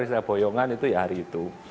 saya boyongan itu ya hari itu